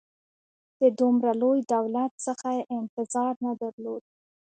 د دومره لوی دولت څخه یې انتظار نه درلود.